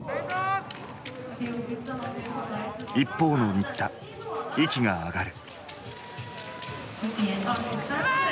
一方の新田息が上がる。